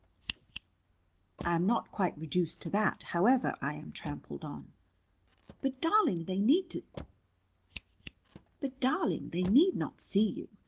I am not quite reduced to that, however I am trampled on." "But, darling, they need not see you.